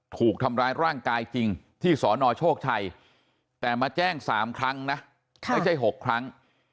ถูกทำร้ายร่างกายจริงที่สนโชคชัยแต่มาแจ้ง๓ครั้งนะไม่ใช่๖ครั้ง